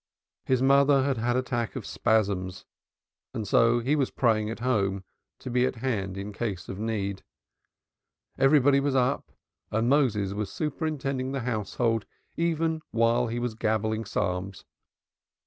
His mother had had an attack of spasms and so he was praying at home to be at hand in case of need. Everybody was up, and Moses was superintending the household even while he was gabbling psalms.